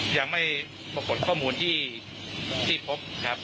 ยังไม่ปรากฏข้อมูลที่พบครับ